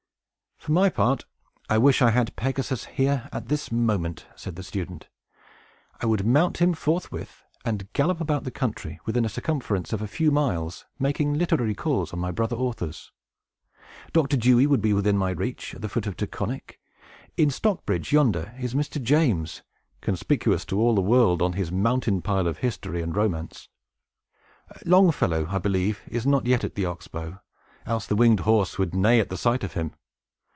"For my part, I wish I had Pegasus here, at this moment," said the student. "I would mount him forthwith, and gallop about the country, within a circumference of a few miles, making literary calls on my brother authors. Dr. Dewey would be within my reach, at the foot of Taconic. In Stockbridge, yonder, is Mr. James, conspicuous to all the world on his mountain pile of history and romance. Longfellow, I believe, is not yet at the Ox bow, else the winged horse would neigh at the sight of him.